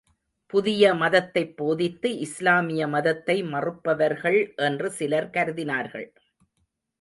புதிய மதத்தைப் போதித்து, இஸ்லாமிய மதத்தை மறுப்பவர்கள் என்று சிலர் கருதினார்கள்.